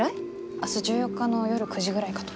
明日１４日の夜９時ぐらいかと。